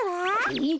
えっ？